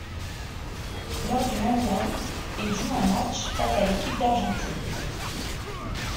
Lors du mondial, il joue un match face à l'équipe d'Argentine.